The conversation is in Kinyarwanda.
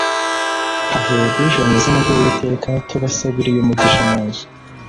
Hahirwa uje mu izina ry’uwiteka, tubasabiriye umugisha munzu